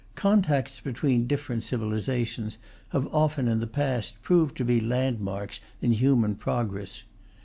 Contacts between different civilizations have often in the past proved to be landmarks in human progress.